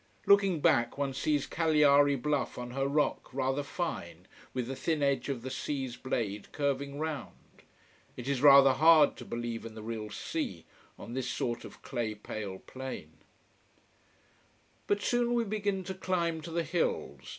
Looking back, one sees Cagliari bluff on her rock, rather fine, with the thin edge of the sea's blade curving round. It is rather hard to believe in the real sea, on this sort of clay pale plain. But soon we begin to climb to the hills.